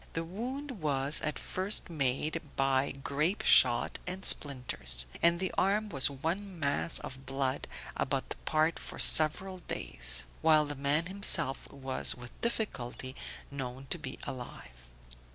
The wound was at first made by grape shot and splinters, and the arm was one mass of blood about the part for several days, while the man himself was with difficulty known to be alive.